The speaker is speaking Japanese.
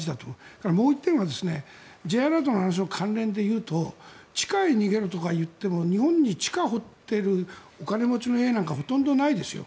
それからもう１点はＪアラートの話の関連で言うと地下へ逃げるとか言っても日本に、地下を掘ってるお金持ちの家なんてほとんどないですよ。